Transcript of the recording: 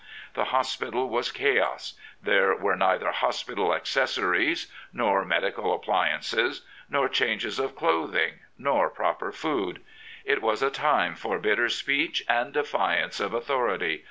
The hospital was chaos. There were neither hospital accessories, nor medical appliances, nor changes of clothmg, nor proper food. It was a time for bitter speech and defiance of authority.